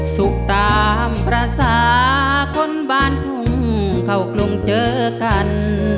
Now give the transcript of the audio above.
ตามภาษาคนบ้านทุ่งเข้ากรุงเจอกัน